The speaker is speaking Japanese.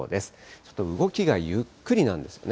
ちょっと動きがゆっくりなんですよね。